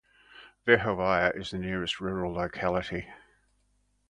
Verkhovazhye is the nearest rural locality.